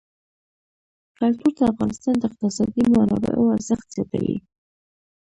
کلتور د افغانستان د اقتصادي منابعو ارزښت زیاتوي.